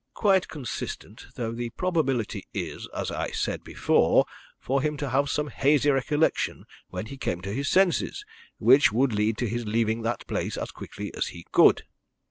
"Quite consistent, though the probability is, as I said before, for him to have some hazy recollection when he came to his senses, which would lead to his leaving that place as quickly as he could."